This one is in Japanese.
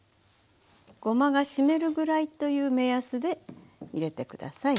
ごまが湿るぐらいという目安で入れて下さい。